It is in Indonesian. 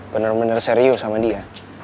bener bener serius sama dia